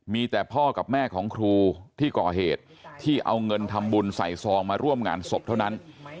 มีแต่พ่อกับแม่ของครูที่ก่อเหตุที่เอาเงินทำบุญใส่ซองมาร่วมงานศพเท่านั้น